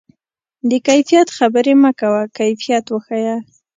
د کیفیت خبرې مه کوه، کیفیت وښیه.